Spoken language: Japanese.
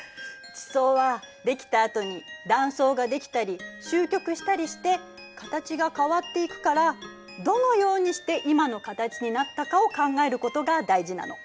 地層はできたあとに断層ができたりしゅう曲したりして形が変わっていくからどのようにして今の形になったかを考えることが大事なの。